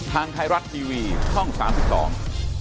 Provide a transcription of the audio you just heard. ทางไทรัตน์ทีวีช่อง๓๒